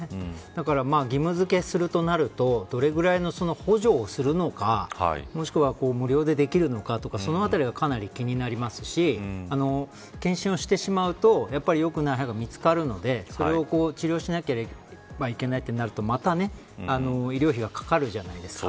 だから、義務付けするとなるとどれぐらいの補助をするのかもしくは無料でできるのかとかそのあたりがかなり気になりますし検診をしてしまうとよくない歯が見つかるのでそれを治療しなければいけないとなるとまた医療費がかかるじゃないですか。